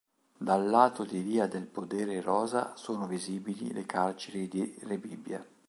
Dal lato di via del Podere Rosa sono visibili le Carceri di Rebibbia.